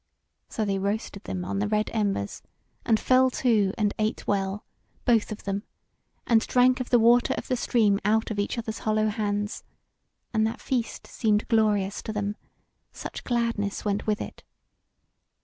So they roasted them on the red embers, and fell to and ate well, both of them, and drank of the water of the stream out of each other's hollow hands; and that feast seemed glorious to them, such gladness went with it.